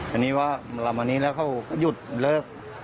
อันนี้ว่าเรามานี้แล้วเขาหยุดเลิก